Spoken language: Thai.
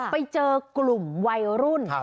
ไปเจอกลุ่มวัยรุ่น